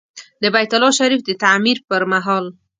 د بیت الله شریف د تعمیر پر مهال.